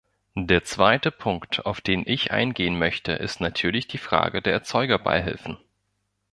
Der zweite Punkt, auf den ich eingehen möchte, ist natürlich die Frage der Erzeugerbeihilfen.